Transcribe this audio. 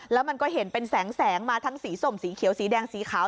แล้วมันก็เห็นเป็นแสงมาทั้งสีสมสีเขียวสีแดงสีขาว